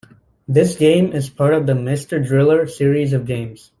The game is part of the "Mr. Driller" series of games.